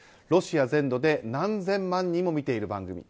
ロシア全土で何千万人も見ている番組。